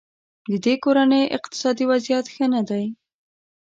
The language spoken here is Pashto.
ددې کورنۍ اقتصادي وضیعت ښه نه دی.